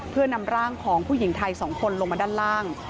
เพื่อนำร่างของผู้หญิงไทย๒คนลงมาด้านล่าง